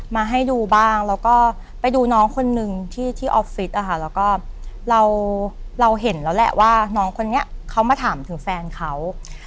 มาให้ดูบ้างแล้วก็ไปดูน้องคนนึงที่ออฟฟิศแล้วก็เราเห็นแล้วแหละว่าน้องคนนี้เขามาถามถึงแฟนเขา